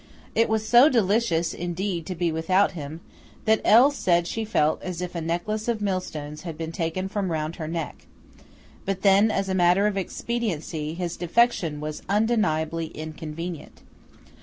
It was so delicious, indeed, to be without him, that L. said she felt as if a necklace of millstones had been taken from round her neck; but then, as a matter of expediency, his defection was undeniably inconvenient.